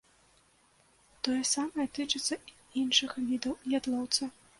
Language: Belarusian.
Тое самае тычыцца і іншых відаў ядлоўца.